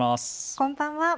こんばんは。